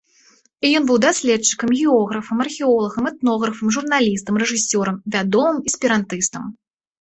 Ён быў даследчыкам, географам, археолагам, этнографам, журналістам, рэжысёрам, вядомым эсперантыстам.